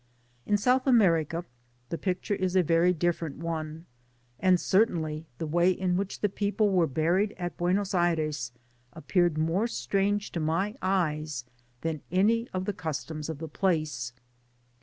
In South America, the picture is a very different one, and certainly the way in which the people were buried at Buenos Aires appeared more strange to my eyes than any of the customs of the place.